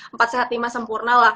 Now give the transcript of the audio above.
empat sehat lima sempurna lah